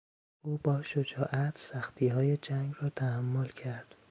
او با شجاعت سختیهای جنگ را تحمل کرد.